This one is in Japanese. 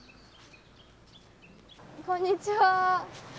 こんにちは。